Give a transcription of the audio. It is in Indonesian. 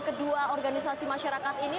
kedua organisasi masyarakat ini